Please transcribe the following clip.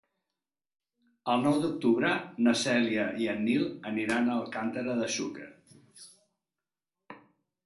El nou d'octubre na Cèlia i en Nil aniran a Alcàntera de Xúquer.